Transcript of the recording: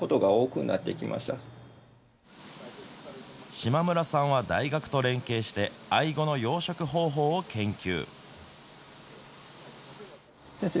島村さんは大学と連携して、アイゴの養殖方法を研究。